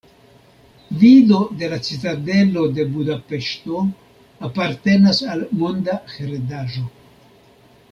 Vido de la Citadelo de Budapeŝto apartenas al Monda Heredaĵo.